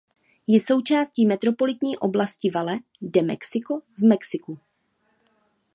Je součástí Metropolitní oblasti Valle de México v Mexiku.